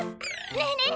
ねえねえ